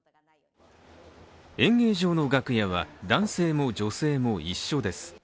演芸場の楽屋は、男性も女性も一緒です。